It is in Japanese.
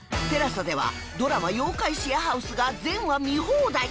ＴＥＬＡＳＡ ではドラマ『妖怪シェアハウス』が全話見放題